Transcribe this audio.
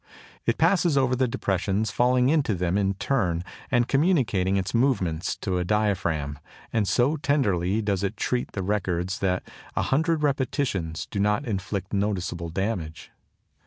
It passes over the depressions, falling into them in turn and communicating its movements to a diaphragm, and so tenderly does it treat the records that a hundred repetitions do not inflict noticeable damage.